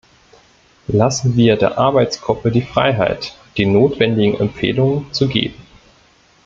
Lassen wir der Arbeitsgruppe die Freiheit, die notwendigen Empfehlungen zu geben.